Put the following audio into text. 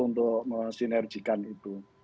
untuk mesinerjikan itu